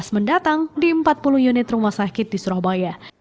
mendatang di empat puluh unit rumah sakit di surabaya